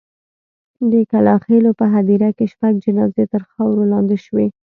د کلا خېلو په هدیره کې شپږ جنازې تر خاورو لاندې شوې.